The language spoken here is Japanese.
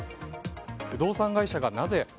不動産会社がなぜ？